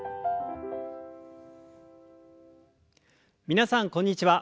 皆さんこんにちは。